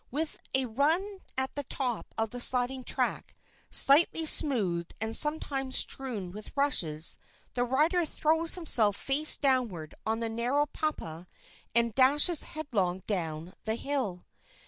With a run at the top of the sliding track, slightly smoothed and sometimes strewn with rushes, the rider throws himself face downward on the narrow papa and dashes headlong down the hill.